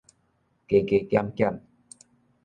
加加減減